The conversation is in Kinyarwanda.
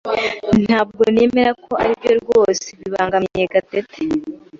Ntabwo nemera ko aribyo rwose bibangamiye Gatete.